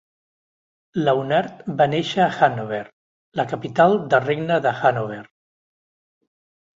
Launhardt va néixer a Hannover, la capital del Regne de Hanover.